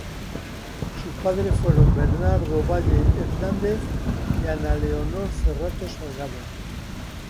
Sus padres fueron Bernardo Valle Hernández y Ana Leonor Cerrato Salgado.